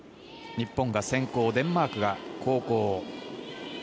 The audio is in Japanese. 日本が先攻、デンマークが後攻。